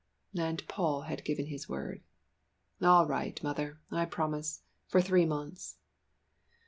And Paul had given his word. "All right, mother I promise for three months."